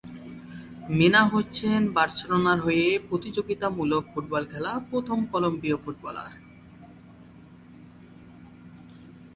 মিনা হচ্ছেন বার্সেলোনার হয়ে প্রতিযোগিতা মূলক ফুটবল খেলা প্রথম কলম্বীয় ফুটবলার।